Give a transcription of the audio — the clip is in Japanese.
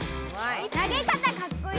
なげ方かっこいい！